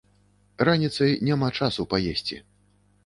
Раніцай няма часу паесці.